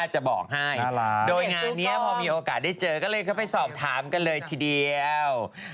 จะบอกให้โดยงานนี้พอมีโอกาสได้เจอก็เลยเข้าไปสอบถามกันเลยทีเดียว